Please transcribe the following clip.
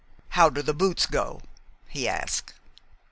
"How do the boots go?" he asked.